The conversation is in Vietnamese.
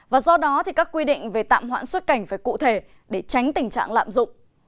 và do đó thì các quy định về tạm hoãn xuất cảnh phải cụ thể để tránh tình trạng lạm dụng